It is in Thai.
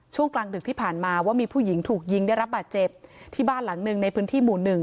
ช่วงกลางดึกที่ผ่านมาว่ามีผู้หญิงถูกยิงได้รับบาดเจ็บที่บ้านหลังหนึ่งในพื้นที่หมู่หนึ่ง